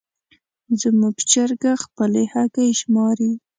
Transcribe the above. زموږ چرګه خپلې هګۍ شماري.